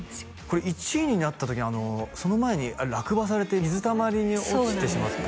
これ１位になった時にその前に落馬されて水たまりに落ちてしまった？